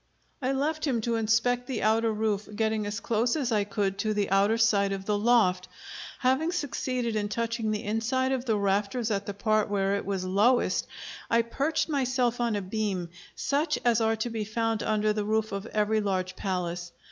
I left him to inspect the outer roof, getting as close as I could to the outer side of the loft. Having succeeded in touching the inside of the rafters at the part where it was lowest, I perched myself on a beam, such as are to be found under the roof of every large palace.